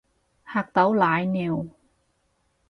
嚇到瀨尿